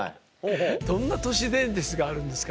どんな都市伝説があるんですか？